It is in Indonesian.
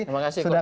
terima kasih pak